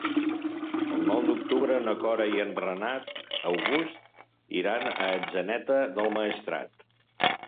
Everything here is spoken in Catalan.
El nou d'octubre na Cora i en Renat August iran a Atzeneta del Maestrat.